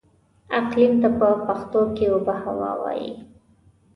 اقليم ته په پښتو کې اوبههوا وايي.